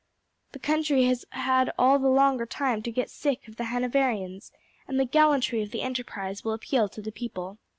"The country has had all the longer time to get sick of the Hanoverians, and the gallantry of the enterprise will appeal to the people.